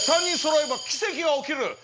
３人そろえば奇跡が起きる。